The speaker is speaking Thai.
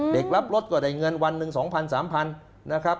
เด็กรับรถก็ได้เงินวันหนึ่งสองพันสามพันนะครับ